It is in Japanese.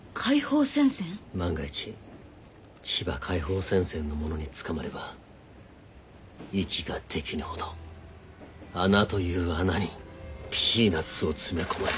万が一千葉解放戦線の者に捕まれば息ができぬほど穴という穴にピーナッツを詰め込まれ。